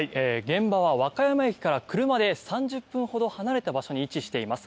現場は和歌山駅から車で３０分ほど離れた場所に位置しています。